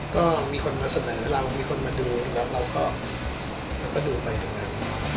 ก็มีคนมาเสนอเรามีคนมาดูแล้วเราก็ดูไปตรงนั้น